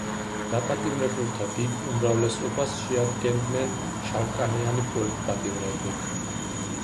დაპატიმრებულთა დიდ უმრავლესობას შეადგენდნენ შავკანიანი პოლიტპატიმრები.